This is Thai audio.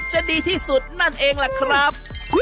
จะดีที่สุดนั่นเองล่ะครับ